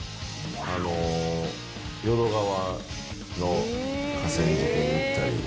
淀川の河川敷に行ったり。